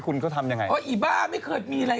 เอาล่ะทำงานมันไม่ได้ชาว